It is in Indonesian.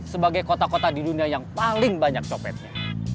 sebagai kota kota di dunia yang paling banyak copetnya